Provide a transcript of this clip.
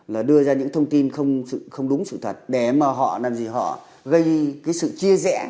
là đưa ra những thông tin không đúng sự thật để mà họ làm gì họ gây sự chia rẽ